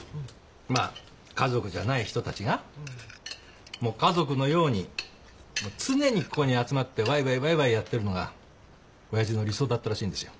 まあ家族じゃない人たちが家族のように常にここに集まってわいわいわいわいやってるのが親父の理想だったらしいんですよ。